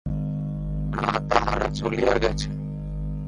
না, তাঁহারা চলিয়া গেছেন।